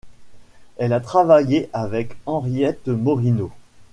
Elle a travaillé avec Henriette Morineau.